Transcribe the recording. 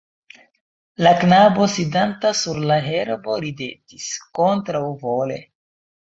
La knabo sidanta sur la herbo ridetis, kontraŭvole.